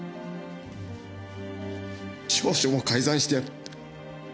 調書も改ざんしてやるって。